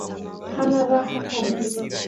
Hana raha kabisa.